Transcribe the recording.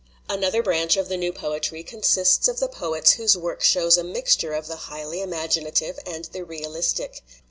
"Another branch of the new poetry consists of the poets whose work shows a mixture of the highly imaginative and the realistic.